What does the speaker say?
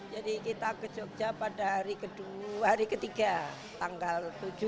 jadi kita ke jogja pada hari ketiga tanggal tujuh